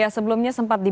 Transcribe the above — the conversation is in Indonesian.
sebelumnya sempat dibawa